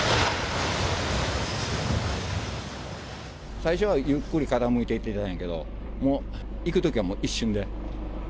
最初はゆっくり傾いていってたんやけど、もういくときはもう一瞬で。